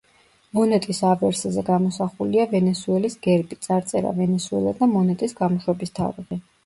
მონეტის ავერსზე გამოსახულია ვენესუელის გერბი, წარწერა ვენესუელა და მონეტის გამოშვების თარიღი.